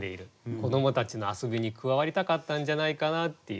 子どもたちの遊びに加わりたかったんじゃないかなっていう。